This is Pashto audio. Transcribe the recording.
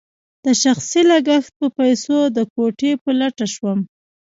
د شخصي لګښت په پیسو د کوټې په لټه شوم.